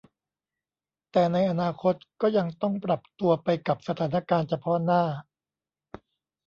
แต่ในอนาคตก็ยังต้องปรับตัวไปกับสถานการณ์เฉพาะหน้า